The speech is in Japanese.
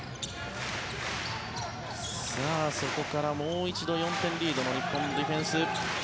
そこからもう一度４点リードの日本のディフェンス。